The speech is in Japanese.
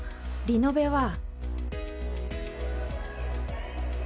リノベは。